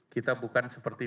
kita bukan seperti